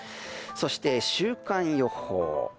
そして、週間予報。